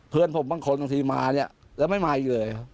เพื่อนผมบางคนตอนนี้มาแล้วไม่มาอีกเลย